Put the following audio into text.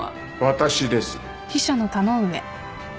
私です。